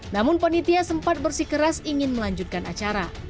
namun penitia sempat bersih keras ingin melanjutkan acara